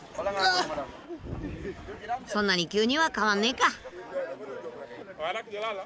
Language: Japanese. そんなに急には変わんねぇか。